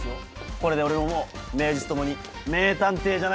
これで俺ももう名実ともに名探偵じゃないですか？